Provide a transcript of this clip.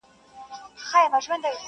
• کلي ته ولاړم هر يو يار راڅخه مخ واړوئ,